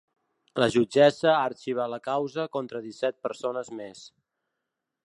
La jutgessa ha arxivat la causa contra disset persones més.